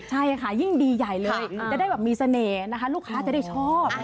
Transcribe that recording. ใช่ค่ะยิ่งดีใหญ่เลยจะได้แบบมีเสน่ห์นะคะลูกค้าจะได้ชอบ